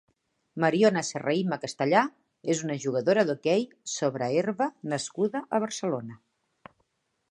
Mariona Serrahima Castellà és una jugadora d'hoquei sobre herba nascuda a Barcelona.